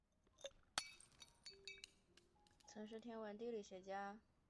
他曾是政府的美加边境线测量远征队的一名助理天文学家。